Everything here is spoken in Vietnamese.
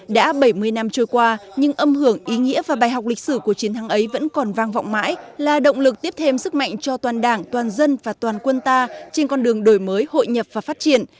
đã bảy mươi năm trôi qua nhưng âm hưởng ý nghĩa và bài học lịch sử của chiến thắng ấy vẫn còn vang vọng mãi là động lực tiếp thêm sức mạnh cho toàn đảng toàn dân và toàn quân ta trên con đường đổi mới hội nhập và phát triển